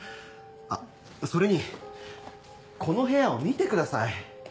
あっそれにこの部屋を見てください。